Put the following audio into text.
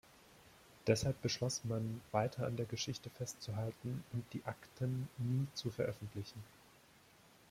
Deshalb beschloss man, weiter an der Geschichte festzuhalten und die Akten nie zu veröffentlichen.